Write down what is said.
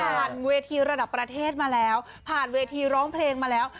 ผ่านเวทีระดับประเทศมาแล้ว